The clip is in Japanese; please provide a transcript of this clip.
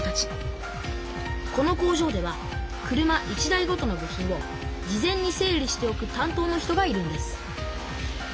この工場では車１台ごとの部品を事前に整理しておくたん当の人がいるんです